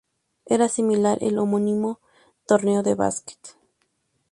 Era similar el homónimo torneo de básquet.